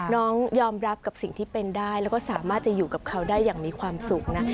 น้องยอมรับกับสิ่งที่เป็นได้แล้วก็สามารถจะอยู่กับเขาได้อย่างมีความสุขนะ